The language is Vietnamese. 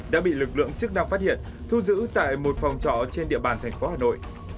đã bị lực lượng chức năng phát hiện thu giữ tại một phòng trọ trên địa bàn thành phố hà nội